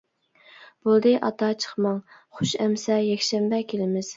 -بولدى ئاتا چىقماڭ، خۇش ئەمىسە، يەكشەنبە كېلىمىز.